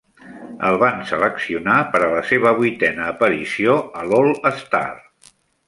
El van seleccionar per a la seva vuitena aparició a l'All-Star.